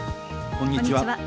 こんにちは。